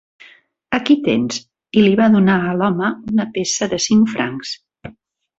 "Aquí tens", i li va donar a l'home una peça de cinc francs.